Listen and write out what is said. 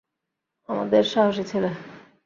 আমাদের সাহসী ছেলে!